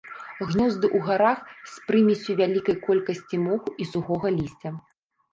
Гнёзды ў гарах з прымессю вялікай колькасці моху і сухога лісця.